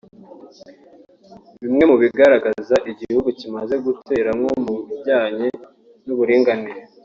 bimwe mu bigaragaza igihugu kimaze gutera nko mu bijyanye na n’uburinganire